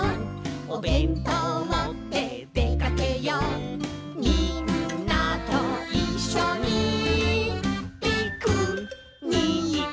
「おべんとうもってでかけよう」「みんなといっしょにピクニック」